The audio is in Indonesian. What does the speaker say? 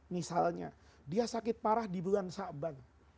misalnya dia sakit parah di bulan sabang